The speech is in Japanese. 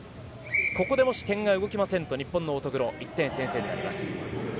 ここで点がもし動きませんと日本の乙黒１点先制になります。